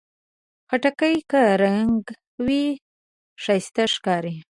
خټکی که رنګه وي، ښایسته ښکاري.